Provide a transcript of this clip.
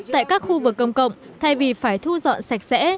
tại các khu vực công cộng thay vì phải thu dọn sạch sẽ